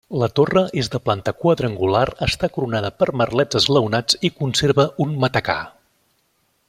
La torre és de planta quadrangular, està coronada per merlets esglaonats i conserva un matacà.